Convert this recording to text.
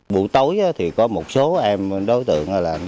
buổi tối thì có một số em đối tượng